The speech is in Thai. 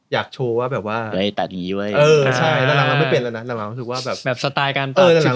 อยากทำเหมือนเรื่องนี้วะแล้วแน่น